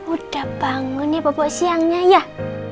udah bangun ya popok siangnya ya kak